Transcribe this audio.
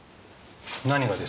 何がです？